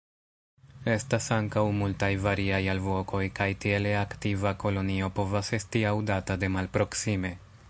Estas ankaŭ multaj variaj alvokoj, kaj tiele aktiva kolonio povas esti aŭdata de malproksime.